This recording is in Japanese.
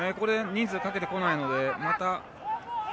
人数をかけてこないので。